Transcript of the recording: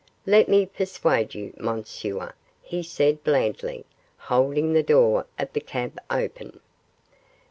'Let me persuade you, Monsieur,' he said, blandly, holding the door of the cab open.